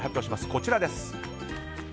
こちらです。